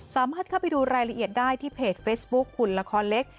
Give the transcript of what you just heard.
สามารถเข้าไปดูรายละเอียดได้ที่เพจเฟซบุ๊คหุ่นละครเล็ก